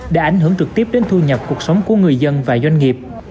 đã ảnh hưởng trực tiếp đến thu nhập cuộc sống của người dân và doanh nghiệp